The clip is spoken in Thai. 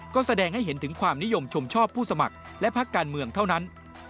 ก็แสดงให้เห็นถึงความนิยมชมชอบผู้สมัครและพักการเมืองเท่านั้น